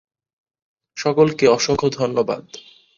সকলকে অসংখ্য ধন্যবাদ।